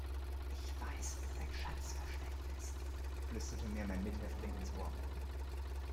Ich weiß, wo ein Schatz versteckt ist, flüsterte mir mein Mithäftling ins Ohr.